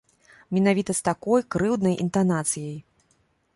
Менавіта з такой крыўднай інтанацыяй.